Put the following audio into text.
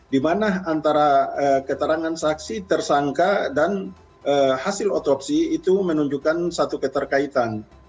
di mana antara keterangan saksi tersangka dan hasil otopsi itu menunjukkan satu keterkaitan